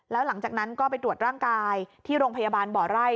แล้วหลังจากนั้นก็ไปตรวจร่างกายที่โรงพยาบาลบ่อไร่